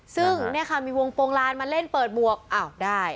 ซึ่งเนี่ยค่ะมีวงโปรงลานมาเล่นเปิดหมวกอ้าวได้